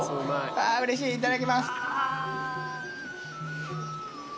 あぁうれしいいただきます。